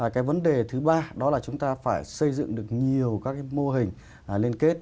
cái vấn đề thứ ba đó là chúng ta phải xây dựng được nhiều các cái mô hình liên kết